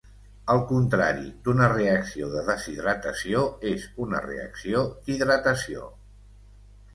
El contrari d"una reacció de deshidratació és una reacció d"hidratació.